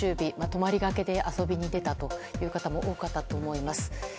泊まりがけで遊びに出た方も多かったと思います。